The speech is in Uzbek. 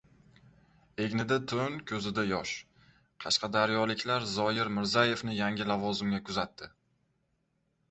Egnida to‘n, ko‘zida yosh... Qashqadaryoliklar Zoyir Mirzayevni yangi lavozimga kuzatdi